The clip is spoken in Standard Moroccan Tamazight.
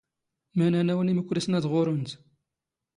ⵎⴰⵏ ⴰⵏⴰⵡ ⵏ ⵉⵎⵓⴽⵔⵉⵙⵏ ⴰⴷ ⵖⵓⵔⵓⵏⵜ?